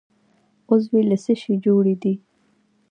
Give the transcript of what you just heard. عضوې له څه شي جوړې دي؟